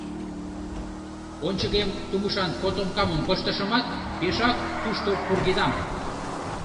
Ончыкем тумышан котомкамым пыштышымат, пешак тушто пургедам.